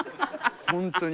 本当に。